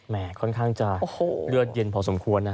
แหม่ค่อนข้างจะเลือดเย็นพอสมควรนะครับ